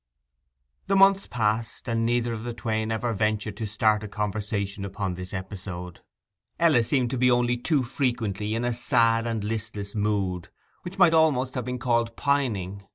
The months passed, and neither of the twain ever ventured to start a conversation upon this episode. Ella seemed to be only too frequently in a sad and listless mood, which might almost have been called pining.